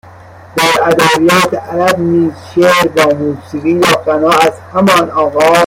در ادبیات عرب نیز شعر با موسیقی یا غنا از همان آغاز